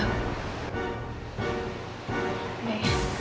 nanti aku akan beritahu kakak